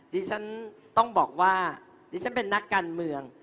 ดิฉันต้องบอกว่าดิฉันเป็นนักการเมือง